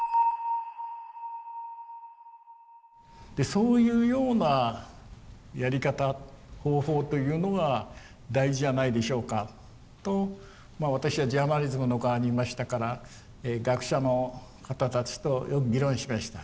そういうようなやり方方法というのが大事じゃないでしょうかと私はジャーナリズムの側にいましたから学者の方たちとよく議論しました。